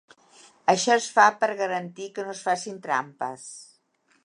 Això es fa per garantir que no es facin trampes.